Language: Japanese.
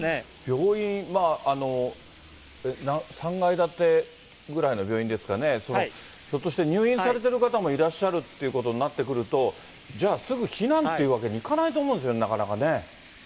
病院、３階建てぐらいの病院ですかね、ひょっとして入院されてる方もいらっしゃるということになってくると、じゃあ、すぐ避難っていうわけにいかないと思うんですよね、なかなかね。